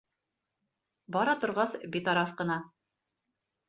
Бара торғас, битараф ҡына: